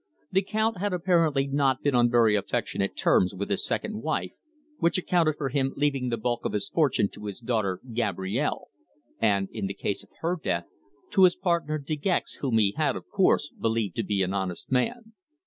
The Count had apparently not been on very affectionate terms with his second wife, which accounted for him leaving the bulk of his fortune to his daughter Gabrielle, and in case of her death, to his partner De Gex, whom he had, of course, believed to be an honest man.